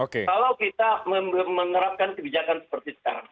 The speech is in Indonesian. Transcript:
kalau kita menerapkan kebijakan seperti sekarang